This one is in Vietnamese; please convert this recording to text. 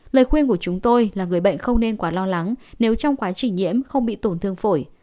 lời khuyên của chúng tôi là người bệnh không nên quá lo lắng nếu trong quá trình nhiễm không bị tổn thương phổi